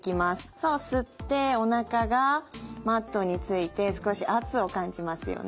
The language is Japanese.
そう吸っておなかがマットについて少し圧を感じますよね。